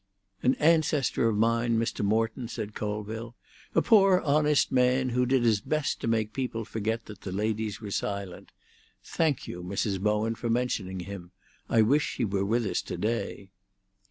"An ancestor of mine, Mr. Morton," said Colville; "a poor, honest man, who did his best to make people forget that the ladies were silent. Thank you, Mrs. Bowen, for mentioning him. I wish he were with us to day."